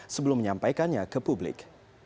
sebelum menyampaikannya ke publik